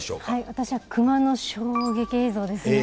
私は熊の衝撃映像ですね。